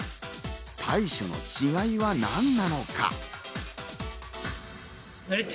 対処の違いは何なのか？